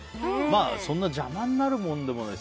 そんな邪魔になるものでもない。